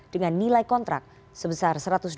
dengan nilai kontrak sebesar satu